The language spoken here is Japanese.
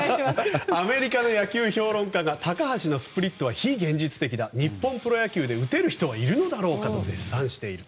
アメリカの野球評論家が高橋のスプリットは非現実的だ日本プロ野球で打てる人はいるのだろうかと絶賛している。